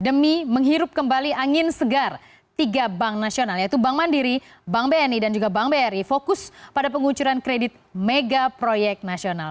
demi menghirup kembali angin segar tiga bank nasional yaitu bank mandiri bank bni dan juga bank bri fokus pada pengucuran kredit mega proyek nasional